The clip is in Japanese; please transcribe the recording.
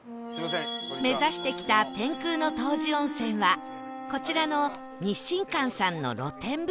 目指してきた天空の湯治温泉はこちらの日進舘さんの露天風呂